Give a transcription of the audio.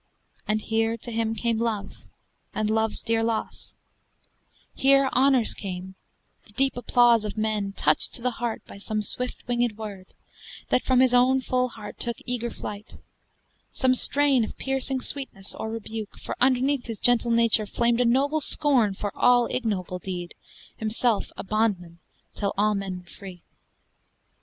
And here to him came love, and love's dear loss; Here honors came, the deep applause of men Touched to the heart by some swift wingèd word That from his own full heart took eager flight Some strain of piercing sweetness or rebuke, For underneath his gentle nature flamed A noble scorn for all ignoble deed, Himself a bondman till all men were free.